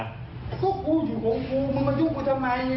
กูอยู่ของกูมึงมาดูกูทำไม